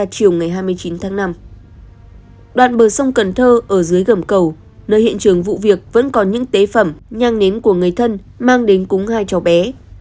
trong hiện trường vụ việc vẫn còn những tế phẩm nhang nến của người thân mang đến cúng hai cháu bé